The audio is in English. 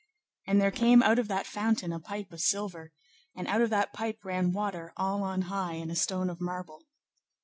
And there came out of that fountain a pipe of silver, and out of that pipe ran water all on high in a stone of marble.